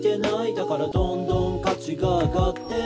「だからどんどん価値が上がって」